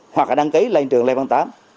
hoặc là đăng ký lên trường lê văn tám